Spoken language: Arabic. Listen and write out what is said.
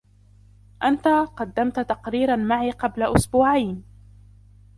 أنتَ قَدَمتَ تقريراً معي قبل إسبوعين.